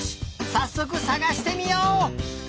さっそくさがしてみよう！